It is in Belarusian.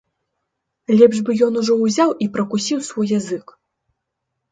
Лепш бы ён ужо ўзяў і пракусіў свой язык.